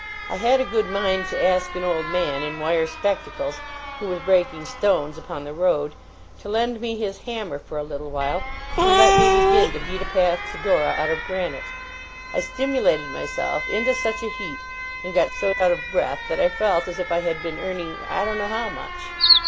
I had a good mind to ask an old man, in wire spectacles, who was breaking stones upon the road, to lend me his hammer for a little while, and let me begin to beat a path to Dora out of granite. I stimulated myself into such a heat, and got so out of breath, that I felt as if I had been earning I don't know how much.